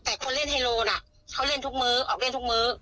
แต่คนเล่นไฮโลน่ะเขาเล่นทุกมื้อออกเล่นทุกมื้อ